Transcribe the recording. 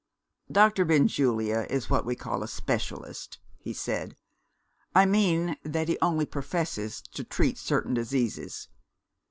"Doctor Benjulia is what we call a Specialist," he said. "I mean that he only professes to treat certain diseases.